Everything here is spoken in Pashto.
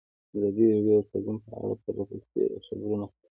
ازادي راډیو د تعلیم په اړه پرله پسې خبرونه خپاره کړي.